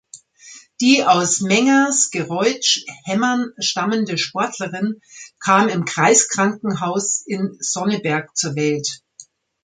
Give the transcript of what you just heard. Die aus Mengersgereuth-Hämmern stammende Sportlerin kam im Kreiskrankenhaus in Sonneberg zur Welt.